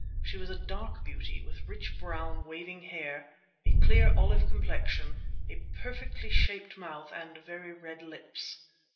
She was a dark beauty, with rich brown, waving hair, a clear olive complexion, a perfectly shaped mouth and very red lips.